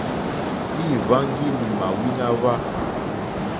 Lîhwáŋgí lì mà wíná hwá.